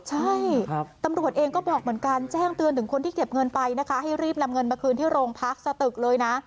ใช่ตำรวจเองก็บอกเหมือนกันแจ้งเตือนถึงคนที่เก็บเงินไปนะคะให้รีบนำเงินมาคืนที่โรงพักสตึกเลยนะ